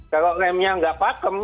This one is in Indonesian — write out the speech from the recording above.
kalau remnya tidak pakem